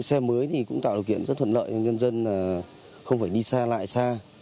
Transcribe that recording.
xe mới thì cũng tạo điều kiện rất thuận lợi cho nhân dân không phải đi xa lại xa